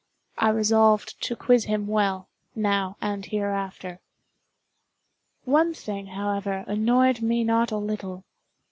I resolved to quiz him well, now and hereafter. One thing, however, annoyed me not a little.